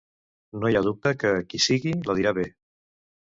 No hi ha dubte que, qui sigui, la dirà bé.